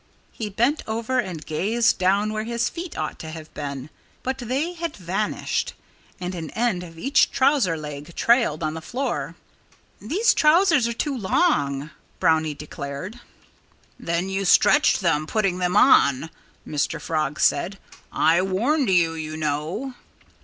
He bent over and gazed down where his feet ought to have been. But they had vanished. And an end of each trouser leg trailed on the floor. "These trousers are too long!" Brownie declared. "Then you stretched them, putting them on," Mr. Frog said. "I warned you, you know."